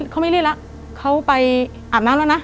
เขาไม่รีดละเขาไปอาบน้ำแล้วนะ